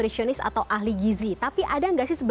ideal adalah berkomunikasi dengan dokter